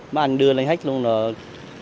mấy anh đưa lên hết luôn rồi